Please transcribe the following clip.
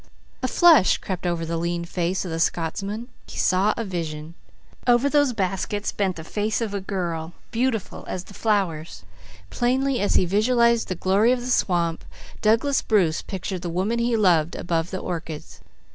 A flush crept over the lean face of the Scotsman. He saw a vision. Over those baskets bent a girl, beautiful as the flowers. Plainly as he visualized the glory of the swamp, Douglas Bruce pictured the woman he loved above the orchids.